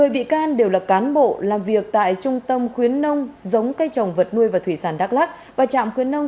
một mươi bị can đều là cán bộ làm việc tại trung tâm khuyến nông giống cây trồng vật nuôi và thủy sản đắk lắc và trạm khuyến nông